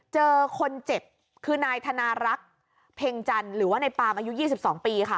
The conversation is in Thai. เจอคนเจ็บคือนายธนารักษ์เพ็งจันทร์หรือว่าในปามอายุ๒๒ปีค่ะ